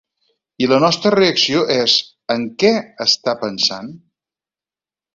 I la nostra reacció és, en què està pensant?